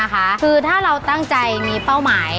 คือถ้าเราตั้งใจมีเป้าหมาย